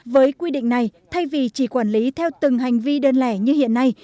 với quy định này thay vì chỉ quản lý theo từng hành vi đơn lẻ như hiện nay